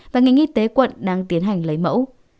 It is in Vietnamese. và nghị nghi tế quận đang tiến hành lấy mẫu